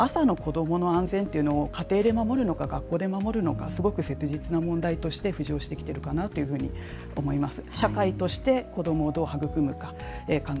朝の子どもの安全というのを家庭で守るのか、学校で守るのかがすごく切実な問題として浮上してくると思います。